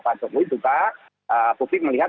pak jokowi juga publik melihat